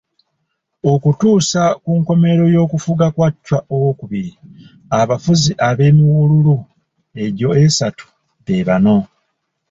Okutuusa ku nkomerera y'okufuga kwa Chwa II, abafuzi ab'emiwululu egyo esatu be bano.